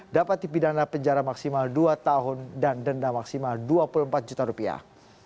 dapat dipidana penjara maksimal dua tahun dan denda maksimal dua puluh empat juta rupiah